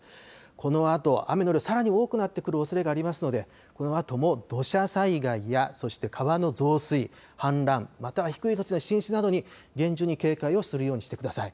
このあと雨の量さらに多くなってくるおそれがありますのでこのあとも土砂災害やそして川の増水氾濫、または低い土地の浸水などに厳重に警戒をするようにしてください。